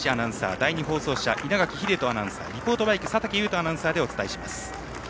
第２放送車稲垣秀人アナウンサーリポートバイク佐竹祐人アナウンサーでお伝えします。